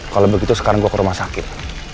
kalau begitu sekarang gue ke rumah sakit